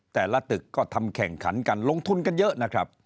แต่ละตึกก็ทำแข่งขันกันลงทุนกันเยอะนะครับ